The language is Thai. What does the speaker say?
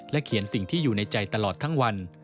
เขียนสิ่งที่อยู่ในใจตลอดทั้งวัน